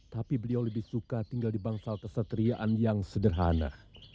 tapi beliau lebih suka tinggal di bangsal kesetriaan yang sederhana